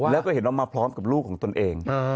แล้วก็เห็นว่ามาพร้อมกับลูกของตนเอง